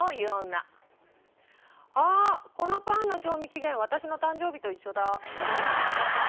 あこのパンの賞味期限私の誕生日と一緒だ。